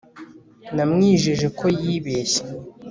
Namwijeje ko yibeshye